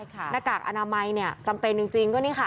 หน้ากากอนามัยเนี่ยจำเป็นจริงก็นี่ค่ะ